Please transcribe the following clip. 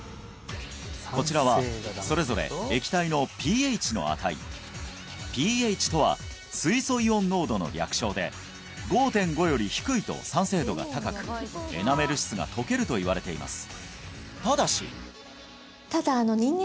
こちらはそれぞれ液体のｐＨの値ｐＨとは水素イオン濃度の略称で５．５より低いと酸性度が高くエナメル質が溶けるといわれています